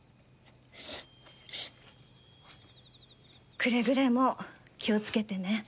くれぐれも気をつけてね。